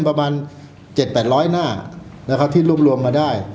ประมาณเจ็ดแปดร้อยหน้านะครับที่รวมรวมมาได้